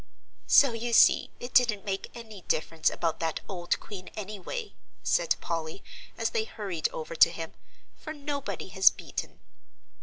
"So you see it didn't make any difference about that old queen anyway," said Polly, as they hurried over to him, "for nobody has beaten."